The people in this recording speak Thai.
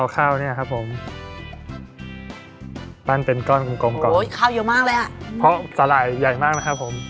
ข้าวนะครับผม